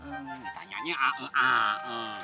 hmm ditanyanya a e a e